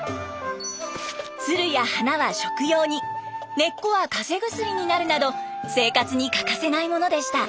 ツルや花は食用に根っこはかぜ薬になるなど生活に欠かせないものでした。